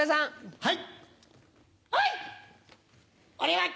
はい。